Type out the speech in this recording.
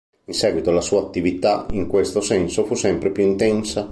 In seguito la sua attività in questo senso fu sempre più intensa.